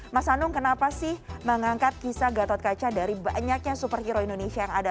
mas anung kenapa sih mengangkat kisah gatot kaca dari banyaknya superhero indonesia yang ada